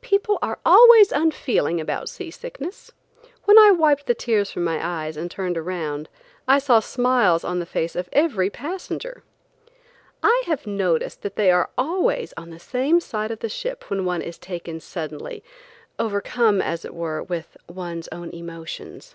People are always unfeeling about sea sickness. When I wiped the tears from my eyes and turned around, I saw smiles on the face of every passenger. I have noticed that they are always on the same side of the ship when one is taken suddenly, overcome, as it were, with one's own emotions.